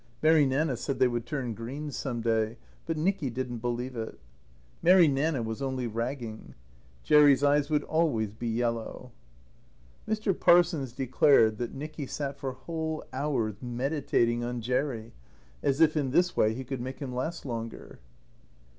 Mary Nanna said they would turn green some day. But Nicky didn't believe it. Mary Nanna was only ragging. Jerry's eyes would always be yellow. Mr. Parsons declared that Nicky sat for whole hours meditating on Jerry, as if in this way he could make him last longer.